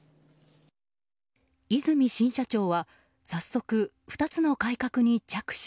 和泉新社長は早速２つの改革に着手。